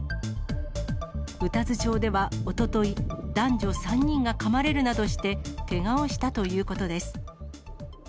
宇多津町ではおととい、男女３人がかまれるなどして、けがをしたということです。